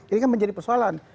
ini kan menjadi persoalan